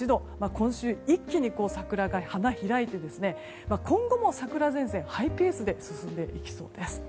今週一気に桜が花開いて今後も桜前線、ハイペースで進んでいきそうです。